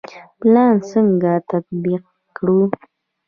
پلان څنګه تطبیق کړو؟